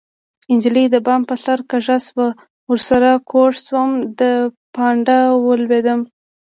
نجلۍ د بام په سر کږه شوه ورسره کوږ شومه د پانډه ولوېدمه